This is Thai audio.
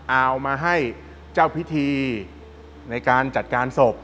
เอามาให้เจ้าพิธีในการจัดการศพ